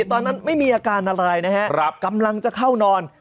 ตอนนั้นไม่มีอาการอะไรนะฮะกำลังจะเข้านอน